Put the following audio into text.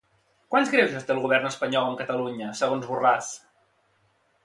Quants greuges té el govern espanyol amb Catalunya, segons Borràs?